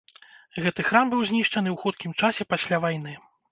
Гэты храм быў знішчаны ў хуткім часе пасля вайны.